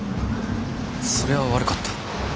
それは悪かった。